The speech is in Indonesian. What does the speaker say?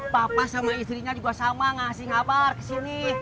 papa sama istrinya juga sama ngasih kabar kesini